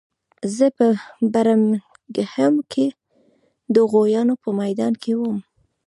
زه په برمنګهم کې د غویانو په میدان کې وم